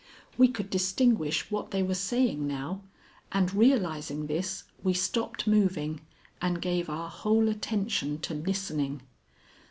We could distinguish what they were saying now, and realizing this, we stopped moving and gave our whole attention to listening.